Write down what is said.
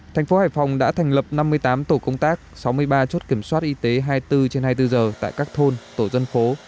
thành phố hải phòng đã thành lập năm mươi tám tổ công tác sáu mươi ba chốt kiểm soát y tế hai mươi bốn trên hai mươi bốn giờ tại các thôn tổ dân phố